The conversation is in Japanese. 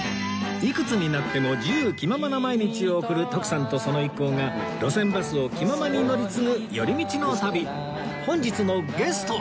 いくつになっても自由気ままな毎日を送る徳さんとその一行が路線バスを気ままに乗り継ぐ寄り道の旅本日のゲストは